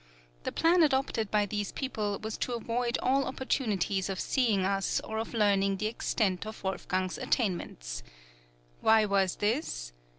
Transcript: The plan adopted by these people was to avoid all opportunities of seeing us or of learning the extent of Wolfgang's attainments. Why was this?